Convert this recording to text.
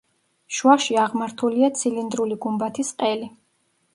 შუაში აღმართულია ცილინდრული გუმბათის ყელი.